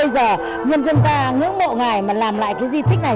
và nhân dân ta ngưỡng mộ ngày mà làm lại cái di tích này